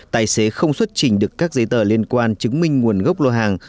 tài xế không xuất trình được các giấy tờ liên quan chứng minh nguồn gốc lô hàng